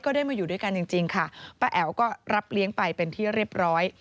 ได้มาอยู่ด้วยกันจริงค่ะป้าแอ๋วก็รับเลี้ยงไปเป็นที่เรียบร้อย